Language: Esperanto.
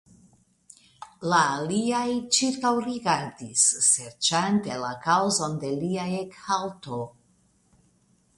La aliaj ĉirkaŭrigardis serĉante la kaŭzon de lia ekhalto.